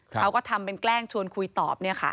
เขาก็ทำเป็นแกล้งชวนคุยตอบ